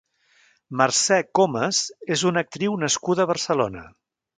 Mercè Comes és una actriu nascuda a Barcelona.